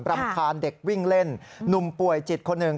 รำคาญเด็กวิ่งเล่นหนุ่มป่วยจิตคนหนึ่ง